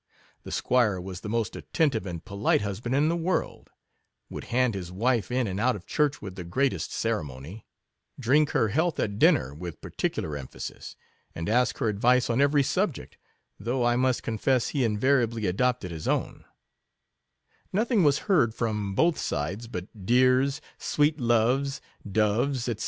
The 'Squire was the most attentive and polite husband in the world ; would hand his wife in and out of church with the greatest cere mony — drink her health at dinner with par ticular emphasis, and ask her advice on every subject — though I must confess he invariably adopted his own:~nothing was heard from B 6 both sides, but dears, sweet loves, doves, &c.